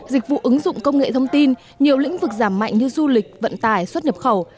dịch vụ ứng dụng công nghệ thông tin nhiều lĩnh vực giảm mạnh như du lịch vận tải xuất nhập khẩu